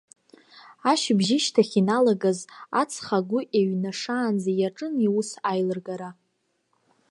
Ашьыбжьышьҭахь иналагаз, аҵх агәы еиҩнашаанӡа иаҿын иус аилыргара.